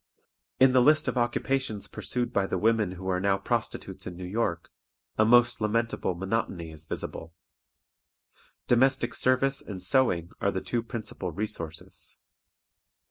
In the list of occupations pursued by the women who are now prostitutes in New York, a most lamentable monotony is visible. Domestic service and sewing are the two principal resources.